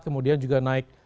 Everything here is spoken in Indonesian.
kemudian juga naik